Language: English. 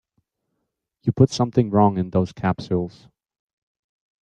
You put something wrong in those capsules.